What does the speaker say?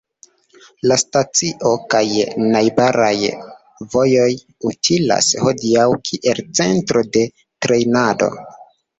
La stacio kaj najbaraj vojoj utilas hodiaŭ kiel centro de trejnado.